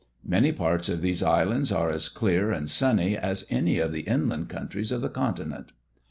Many parts of these islands are as clear and sunny as any of the inland countries of the Continent.